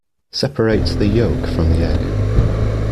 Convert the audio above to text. Separate the yolk from the egg.